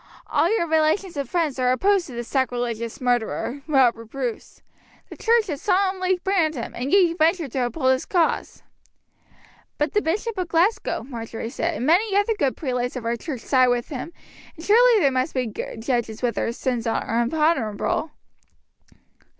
All your relations and friends are opposed to this sacrilegious murderer, Robert Bruce. The church has solemnly banned him, and yet you venture to uphold his cause." "But the Bishop of Glasgow," Marjory said, "and many other good prelates of our church side with him, and surely they must be good judges whether his sins are unpardonable."